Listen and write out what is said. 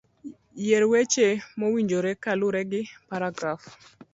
Yier weche mowinjore kaluwore gi paragraf